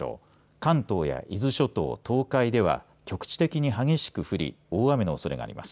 関東や伊豆諸島、東海では局地的に激しく降り大雨のおそれがあります。